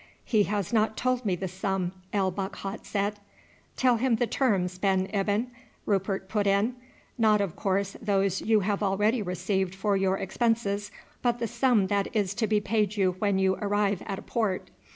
"He has not told me the sum," El Bakhat said. "Tell him the terms, Ben Ibyn," Rupert put in. "Not of course those you have already received for your expenses, but the sum that is to be paid you when you arrive at a port."